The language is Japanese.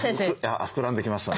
あっ膨らんできましたね。